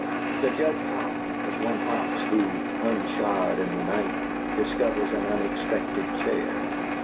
The Judge hopped, as one hops who, unshod in the night, discovers an unexpected chair.